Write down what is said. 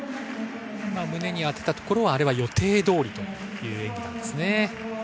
胸に当てたところは予定通りという演技なんですね。